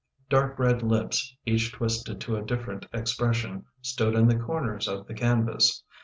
Dark red lips, each twisted to a different expression, stood in the corners of the canvas.